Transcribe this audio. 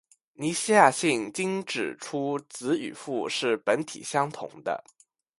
尼西亚信经指出子与父是本体相同的。